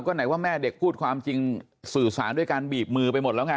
ก็ไหนว่าแม่เด็กพูดความจริงสื่อสารด้วยการบีบมือไปหมดแล้วไง